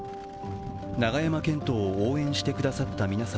永山絢斗を応援してくださった皆様